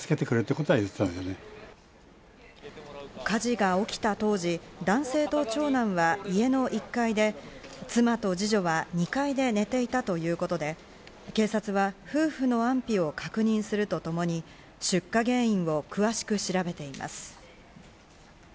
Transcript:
火事が起きた当時、男性と長男は家の１階で妻と二女は２階で寝ていたということで、警察は夫婦の安否を確認するとともに、出火原因を詳しく調べています。